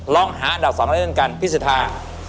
ลองหาอันดับ๒อะไรเหมือนกันพี่ศุษนา